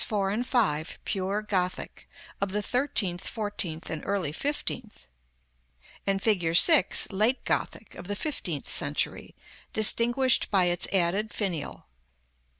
4 and 5 pure Gothic, of the thirteenth, fourteenth and early fifteenth; and fig. 6. late Gothic, of the fifteenth century, distinguished by its added finial.